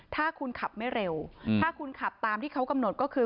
ถ้าคุณขับไม่เร็วถ้าคุณขับตามที่เขากำหนดก็คือ